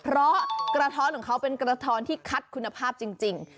เพราะกระท้อนของเขาเป็นกระท้อนที่คัดคุณภาพจริง